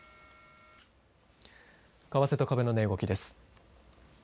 為替と株の値動きです。